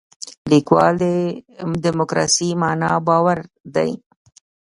لیکوال دیموکراسي معنا باور دی.